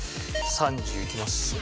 ３０いきますか。